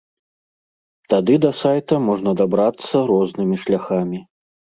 Тады да сайта можна дабрацца рознымі шляхамі.